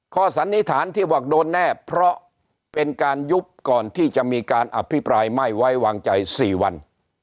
สันนิษฐานที่บอกโดนแน่เพราะเป็นการยุบก่อนที่จะมีการอภิปรายไม่ไว้วางใจ๔วัน